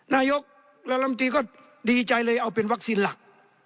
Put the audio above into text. นายกและลำตีก็ดีใจเลยเอาเป็นวัคซีนหลัก